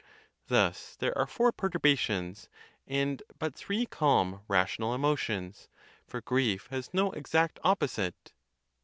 Thus, there are four pertur bations, and but three calm rational emotions; for grief has no exact opposite.